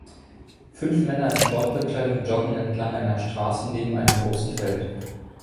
Fünf Männer in Sportbekleidung joggen entlang einer Straße neben einem großen Feld